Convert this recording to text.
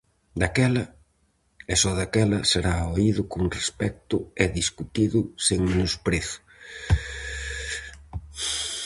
Daquela, e só daquela será oído con respecto e discutido sen menosprezo.